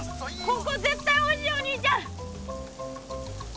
ここぜったいおいしいよお兄ちゃん！